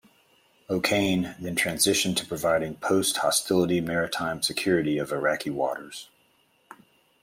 "O'Kane" then transitioned to providing post hostility maritime security of Iraqi waters.